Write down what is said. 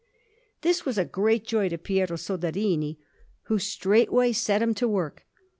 This was a great joy to Piero Soderini, who straightway set him to work.